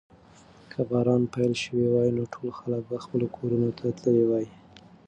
که باران پیل شوی وای نو ټول خلک به خپلو کورونو ته تللي وای.